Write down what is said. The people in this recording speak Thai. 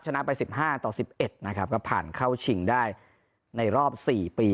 ชนะไปสิบห้าต่อสิบเอ็ดนะครับก็ผ่านเข้าชิงได้ในรอบสี่ปี